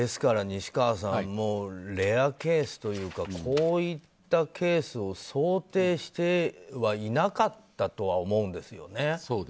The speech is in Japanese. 西川さん、レアケースというかこういったケースを想定してはいなかったとは思うんですよね。